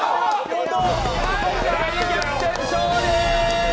逆転勝利！